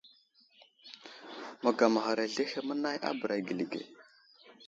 Məgamaghar azlehe mənay a bəra gəli ge.